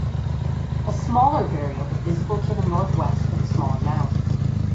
A smaller burial is visible to the northwest of the smaller mound.